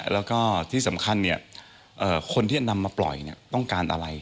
แล้วก็ที่สำคัญคนที่นำมาปล่อยต้องการอะไร